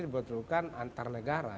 dibutuhkan antar negara